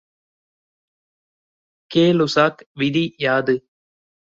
K Lussac விதி யாது?